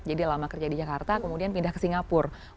jadi lama kerja di jakarta kemudian pindah ke singapura